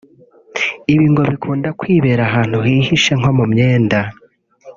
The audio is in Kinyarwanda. Ibi ngo bikunda kwibera ahantu hihishe nko mu myenda